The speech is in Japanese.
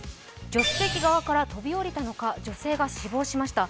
助手席側から飛び降りたのか、女性が死亡しました。